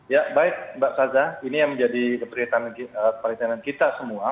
ya baik mbak saza ini yang menjadi perhatian kita semua